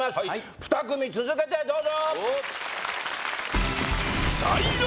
２組続けてどうぞ！